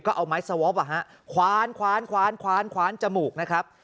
ก็เอาไม้สวอปคว้านจมูกนะครับ